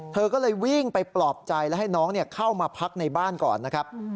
เธอก็เลยวิ่งไปปลอบใจและให้น้องเข้ามาพักในบ้านก่อนนะครับ